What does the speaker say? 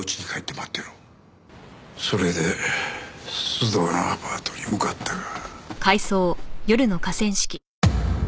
それで須藤のアパートに向かったが。